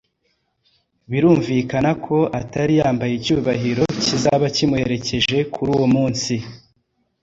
birumvikana ko atari yambaye icyubahiro kizaba kimuherekeje kuri uwo munsi,